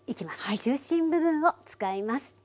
中心部分を使います。